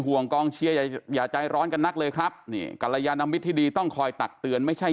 ห่วงกองเชียร์อย่าใจร้อนกันนักเลยครับนี่กรยานมิตรที่ดีต้องคอยตักเตือนไม่ใช่